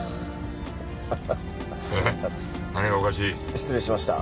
失礼しました。